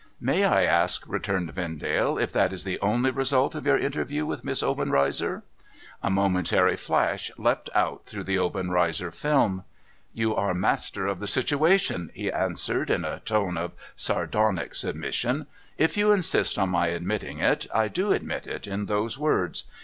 ' May I ask,' returned Vendale, ' if that is the only result of your interview with Miss Obenreizer ?' A momentary flash leapt out through the Obenreizer film. * You are master of the situation,' he answered, in a tone of sardonic submission. ' If you insist on my admitting it, I do admit it in those words.